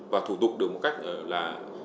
và thủ tục được một cách là